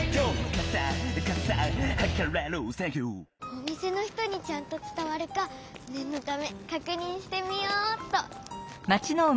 おみせの人にちゃんとつたわるかねんのためかくにんしてみようっと。